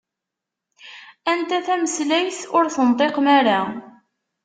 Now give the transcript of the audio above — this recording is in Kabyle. Anta tameslayt ur tenṭiqem-ara?